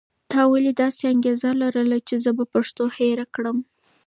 تا ولې داسې انګېرله چې زه به پښتو هېره کړم؟